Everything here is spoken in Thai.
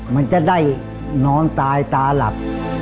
มันจะได้นอนตายตาหลับ